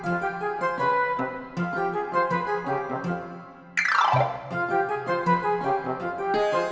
umi mau kemana